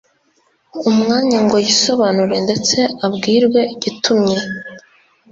umwanya ngo yisobanure ndetse abwirwe igitumye